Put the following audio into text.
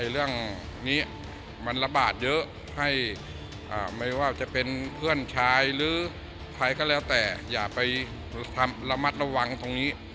เรื่องนี้มันระบาดเยอะให้ไม่ว่าจะเป็นเพื่อนชายหรือใครก็แล้วแต่อย่าไประมัดระวังตรงนี้